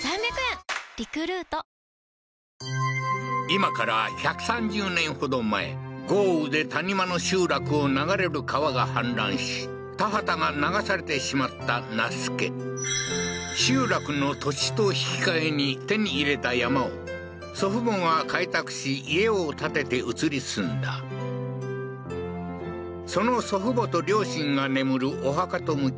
今から１３０年ほど前豪雨で谷間の集落を流れる川が氾濫し田畑が流されてしまった那須家集落の土地と引き換えに手に入れた山を祖父母が開拓し家を建てて移り住んだその祖父母と両親が眠るお墓と向き合う